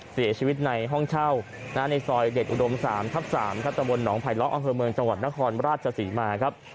เสียชีวิตในห้องเช่าในซอยเด็ดอุดม๓ทับ๓ครับตะบนหนองไผลล้ออำเภอเมืองจังหวัดนครราชศรีมาครับ